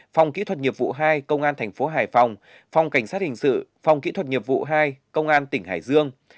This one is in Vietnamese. phòng kỹ thuật nhiệm vụ hai công an tp hải phòng phòng cảnh sát hình sự phòng kỹ thuật nhiệm vụ hai công an tp hải dương